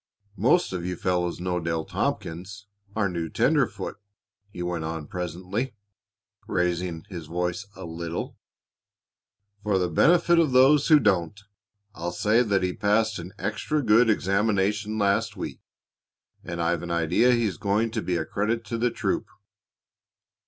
"Most of you fellows know Dale Tompkins, our new tenderfoot," he went on presently, raising his voice a little. "For the benefit of those who don't, I'll say that he passed an extra good examination last week, and I've an idea he's going to be a credit to the troop.